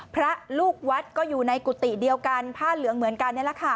พระลูกวัดก็อยู่ในกุฏิเดียวกันผ้าเหลืองเหมือนกันนี่แหละค่ะ